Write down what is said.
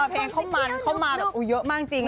เพลงเขามันเข้ามาแบบเยอะมากจริง